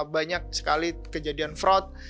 banyak sekali kejadian fraud